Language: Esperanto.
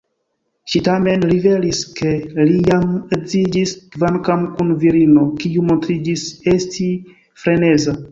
Ŝi tamen rivelis ke li jam edziĝis, kvankam kun virino kiu montriĝis esti freneza.